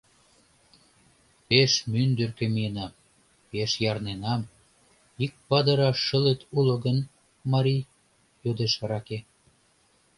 — Пеш мӱндыркӧ миенам, пеш ярненам, ик падыраш шылет уло гын, марий? — йодеш раке.